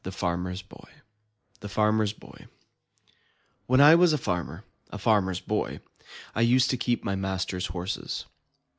89 MY BOOK HOUSE THE FARMER^S BOY When I was a farmer, a Farmer's Boy, I used to keep my master's horses.